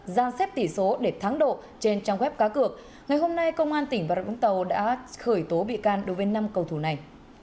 ra xếp tỷ số để thắng độ trên trang web cá cược ngày hôm nay công an tp hà nội đã khởi tố bị can đối với năm cầu thủ này